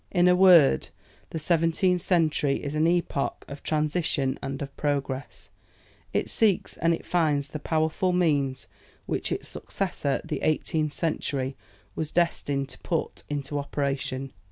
In a word, the seventeenth century is an epoch of transition and of progress; it seeks and it finds the powerful means which its successor, the eighteenth century, was destined to put into operation.